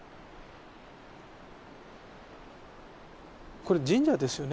これ神社ですよね。